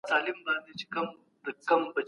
تر راتلونکي مياشتې به يې امنيتي تړون لاسليک کړی وي.